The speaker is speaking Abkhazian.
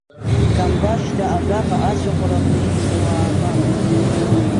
Камбашьда абраҟа ацәаӷәараҟны илшауа аабап!